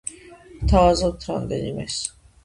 გთავაზობთ რამდენიმეს.